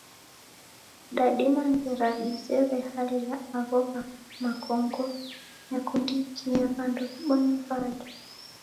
Dadima ngera dizere hali ya agho makongo yakundikie wandu wibonye wada?